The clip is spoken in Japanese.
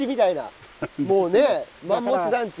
もうねマンモス団地。